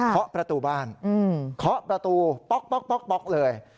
เคาะประตูบ้านเคาะประตูป๊อกเลย